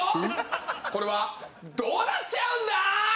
これはどうなっちゃうんだ！？